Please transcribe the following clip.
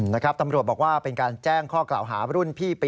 นะครับตำรวจบอกว่าเป็นการแจ้งข้อกล่าวหาว่ารุ่นพี่ปี๓๑